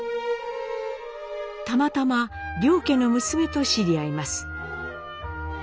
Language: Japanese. たまたま良家の娘と知り合います。